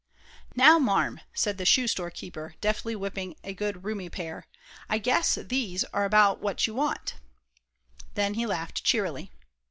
"Now, Marm," said the shoe store keeper, deftly whipping a good roomy pair, "I guess these are about what you want," and he laughed cheerily.